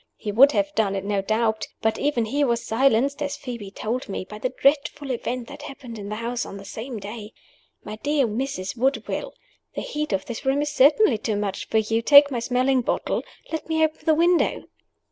He would have done it no doubt. But even he was silenced (as Phoebe told me) by the dreadful event that happened in the house on the same day. My dear Mrs. Woodville! the heat of this room is certainly too much for you, take my smelling bottle. Let me open the window."